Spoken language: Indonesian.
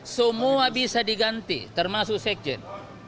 semua bisa diganti termasuk sekjen